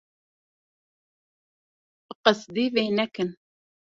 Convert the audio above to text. Bi qesdî vê nekin.